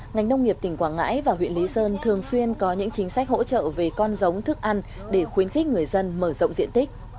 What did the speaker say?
ngành nông nghiệp tỉnh quảng ngãi và huyện lý sơn thường xuyên có những chính sách hỗ trợ về con giống thức ăn để khuyến khích người dân mở rộng diện tích